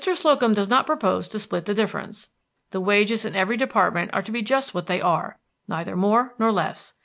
Slocum does not propose to split the difference. The wages in every department are to be just what they are, neither more nor less.